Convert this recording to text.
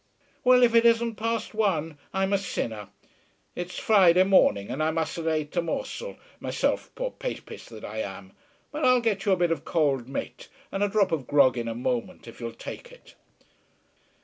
Well, if it isn't past one I'm a sinner. It's Friday morning and I mus'n't ate a morsel myself, poor papist that I am; but I'll get you a bit of cold mate and a drop of grog in a moment if you'll take it."